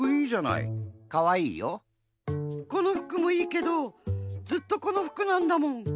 この服もいいけどずっとこの服なんだもん。